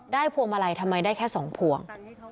พวงมาลัยทำไมได้แค่๒พวง